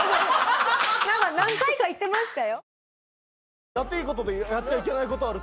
何回か言ってましたよ。